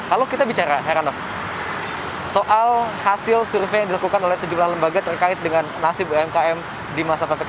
kalau kita bicara heran dong soal hasil survei yang dilakukan oleh sejumlah lembaga terkait dengan nasib umkm di masa ppkm level empat ini